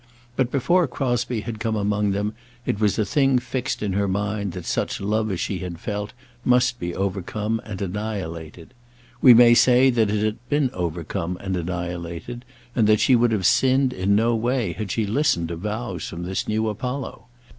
But before Crosbie had come among them, it was a thing fixed in her mind that such love as she had felt must be overcome and annihilated. We may say that it had been overcome and annihilated, and that she would have sinned in no way had she listened to vows from this new Apollo.